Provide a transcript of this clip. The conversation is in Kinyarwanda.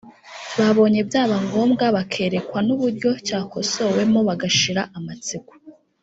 babonye byaba ngombwa bakerekwa n’uburyo cyakosowemo bagashira amatsiko